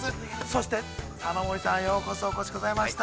そして、玉森さん、ようこそお越しくださいました。